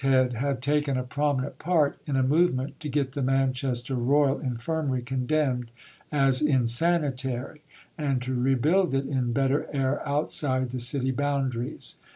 Adshead had taken a prominent part in a movement to get the Manchester Royal Infirmary condemned as insanitary, and to rebuild it in better air outside the city boundaries.